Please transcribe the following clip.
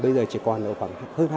bây giờ chỉ còn hơn hai mươi